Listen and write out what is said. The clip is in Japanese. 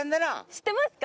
知ってますか？